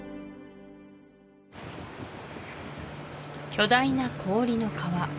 巨大な氷の河